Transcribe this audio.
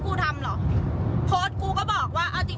กินให้ดูเลยค่ะว่ามันปลอดภัย